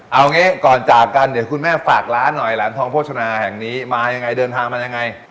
เอางี้ก่อนจากกันเดี๋ยวคุณแม่ฝากร้านหน่อยแหลมทองโภชนาแห่งนี้มายังไงเดินทางมายังไง